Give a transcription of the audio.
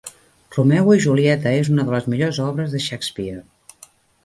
Romeu i Julieta és una de les millors obres de Shakespeare